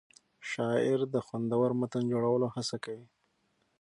شاعر د خوندور متن جوړولو هڅه کوي.